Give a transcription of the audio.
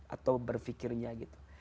atau berfikirnya gitu